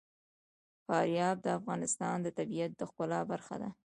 فاریاب د افغانستان د طبیعت د ښکلا برخه ده.